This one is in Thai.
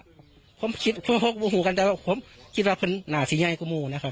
เพื่อนบางผมคิดเพื่อนพวกมัวหูกันแต่ว่าผมคิดว่าเพื่อนหนาสีใยก็มูนะครับ